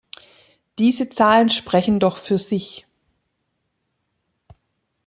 Diese Zahlen sprechen doch für sich.